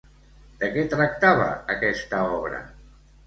De què tractava aquesta obra?